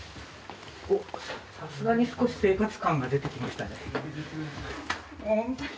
さすがに少し生活感が出てきましたね。